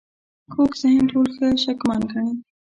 کوږ ذهن ټول ښه شکمن ګڼي